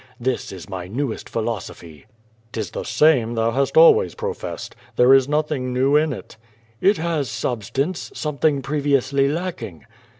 This is my newest philosophy." " 'Tis the same thou hast always professed. There is noth ing new in it." "It has substance; something previously lacking."